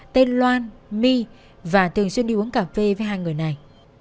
tên loan my và thường xuyên đi uống cà phê với hai người này